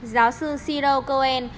giáo sư cyril cohen